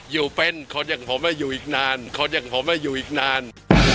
อยู่เป็นคนอย่างผมอยู่อีกนานคนอย่างผมอยู่อีกนาน